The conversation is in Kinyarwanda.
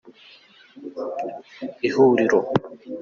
ihuriro.